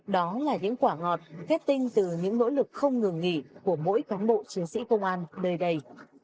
đó là những quả ngọt kết tinh từ những nỗ lực không ngừng nghỉ của mỗi cán bộ chiến sĩ công an nơi đây